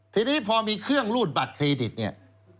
ทีนี้พอมีเครื่องรูดบัตรเครดิตเนี่ย